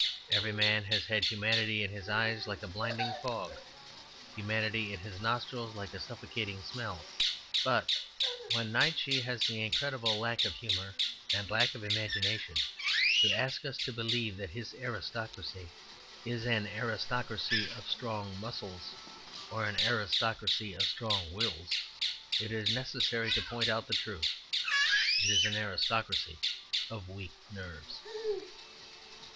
Every man has had humanity in his eyes like a blinding fog, humanity in his nostrils like a suffocating smell. But when Nietzsche has the incredible lack of humour and lack of imagination to ask us to believe that his aristocracy is an aristocracy of strong muscles or an aristocracy of strong wills, it is necessary to point out the truth. It is an aristocracy of weak nerves.